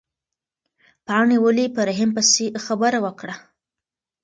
پاڼې ولې په رحیم پسې خبره وکړه؟